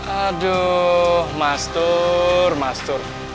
aduh mas tur mas tur